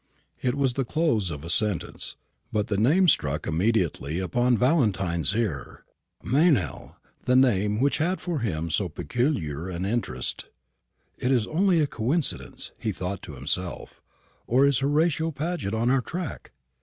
It was the close of a sentence; but the name struck immediately upon Valentine's ear. Meynell! the name which had for him so peculiar an interest. "Is it only a coincidence," he thought to himself, "or is Horatio Paget on our track?"